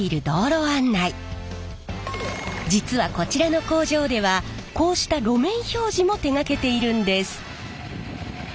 実はこちらの工場ではこうした路面標示も手がけているんです。